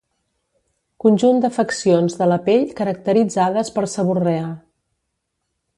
Conjunt d'afeccions de la pell caracteritzades per seborrea.